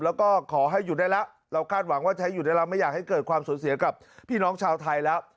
แล้วก็ขอให้หยุดได้แล้วเราคาดหวังว่าใช้หยุดได้แล้วไม่อยากให้เกิดความสูญเสียกับพี่น้องชาวไทยแล้ว